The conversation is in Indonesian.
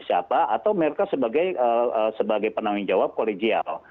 siapa atau mereka sebagai penanggung jawab kolegial